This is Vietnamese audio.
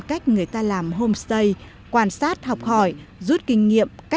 cái nghèo cứ đeo bám từ đời này qua đời khác